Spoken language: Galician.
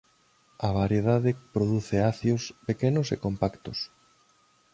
A variedade produce acios pequenos e compactos.